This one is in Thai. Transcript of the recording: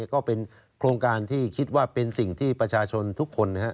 ก็เป็นโครงการที่คิดว่าเป็นสิ่งที่ประชาชนทุกคนนะครับ